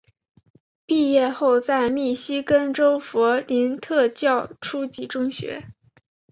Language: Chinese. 毕业后在密西根州弗林特教初级中学。